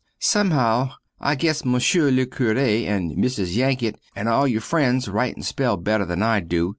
Somehow I guess Mr. le Cure and missis Yanket and all your frens rite and spell better than I do.